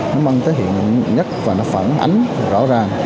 nó mang tới hiện nhất và nó phản ánh rõ ràng